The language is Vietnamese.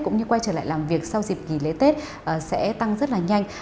cũng như quay trở lại làm việc sau dịp nghỉ lễ tết sẽ tăng rất là nhanh